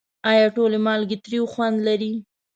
آیا ټولې مالګې تریو خوند لري؟